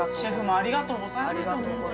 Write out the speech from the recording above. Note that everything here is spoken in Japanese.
ありがとうございます。